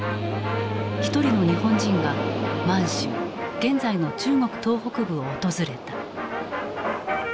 一人の日本人が満州現在の中国東北部を訪れた。